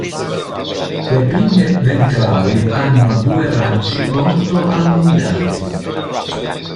Le pinne ventrali hanno due raggi molto allungati.